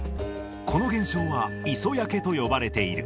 この現象は磯焼けと呼ばれている。